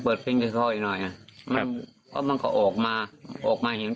เปิดเพลงให้เขาอีกหน่อยอ่ะครับมันก็ออกมาออกมาเห็น